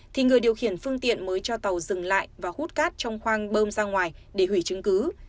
thì người điều khiển phương tiện mới cho tàu dừng lại và hút cát trong khoang bơm ra ngoài để hủy chứng cứ